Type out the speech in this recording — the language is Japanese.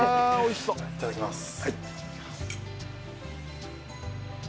いただきます